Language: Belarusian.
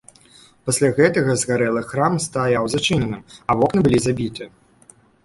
Пасля гэтага згарэлы храм стаяў зачыненым, а вокны былі забіты.